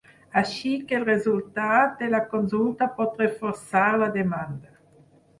Així que el resultat de la consulta pot reforçar la demanda.